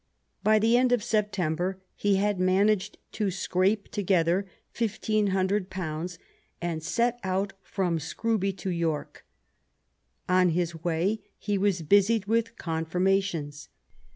By the end of September he had managed to scrape together £1500, and set out from Scrooby to York. On his way he was busied with confirmations.